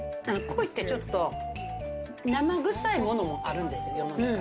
鯉って、ちょっと生臭いものもあるんですよ、世の中。